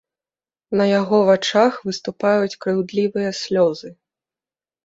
На яго вачах выступаюць крыўдлівыя слёзы.